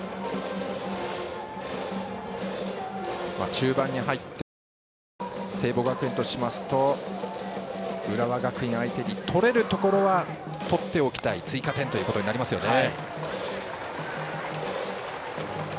中盤に入って聖望学園としますと浦和学院相手に取れるところは取っておきたい追加点というところになりますね。